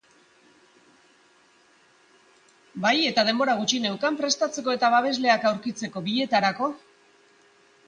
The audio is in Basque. Bai, eta denbora gutxi neukan prestatzeko eta babesleak aurkitzeko, bietarako.